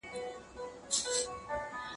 زه مخکي کتابتوننۍ سره وخت تېروولی وو!؟